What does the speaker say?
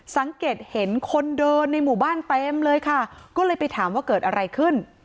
สังเกตเห็นคนเดินในหมู่บ้านเต็มเลยค่ะก็เลยไปถามว่าเกิดอะไรขึ้น